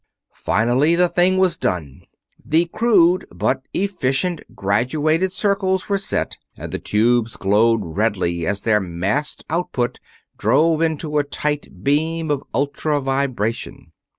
Finally the thing was done, the crude, but efficient graduated circles were set, and the tubes glowed redly as their massed output drove into a tight beam of ultra vibration.